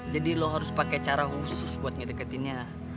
jadi lo harus pakai cara khusus buat ngedeketinnya